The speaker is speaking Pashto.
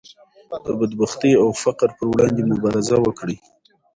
د بدبختۍ او فقر پر وړاندې مبارزه وکړئ.